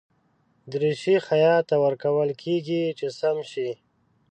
دریشي خیاط ته ورکول کېږي چې سم شي.